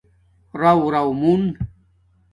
رݸرݸ مُون